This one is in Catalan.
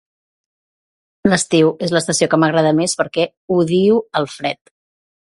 L'estiu és l'estació que m'agrada més perquè odio el fred.